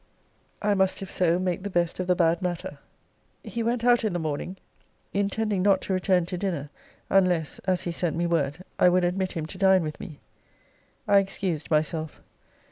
I must, if so, make the best of the bad matter. He went out in the morning; intending not to return to dinner, unless (as he sent me word) I would admit him to dine with me. I excused myself.